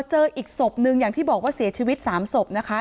เจออีกศพนึงอย่างที่บอกว่าเสียชีวิต๓ศพนะคะ